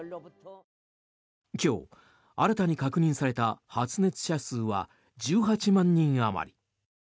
今日、新たに確認された発熱者数は１８万人あまり。